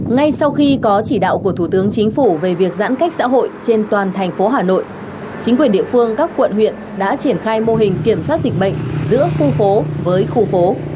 ngay sau khi có chỉ đạo của thủ tướng chính phủ về việc giãn cách xã hội trên toàn thành phố hà nội chính quyền địa phương các quận huyện đã triển khai mô hình kiểm soát dịch bệnh giữa khu phố với khu phố